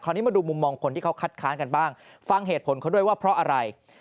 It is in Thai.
อันนี้มาดูมุมมองคนที่เขาคัดค้านกันบ้างฟังเหตุผลเขาด้วยว่าเพราะอะไร